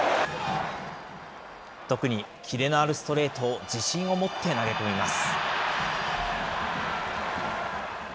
特に切れのあるストレートを自信を持って投げ込みます。